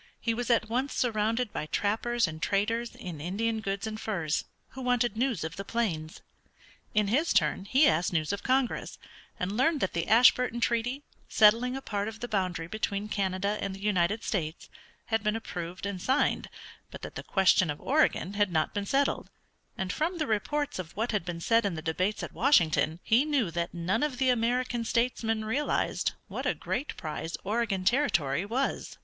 He was at once surrounded by trappers and traders in Indian goods and furs who wanted news of the plains. In his turn he asked news of Congress, and learned that the Ashburton Treaty, settling a part of the boundary between Canada and the United States, had been approved and signed, but that the question of Oregon had not been settled, and from the reports of what had been said in the debates at Washington he knew that none of the American statesmen realized what a great prize Oregon Territory was.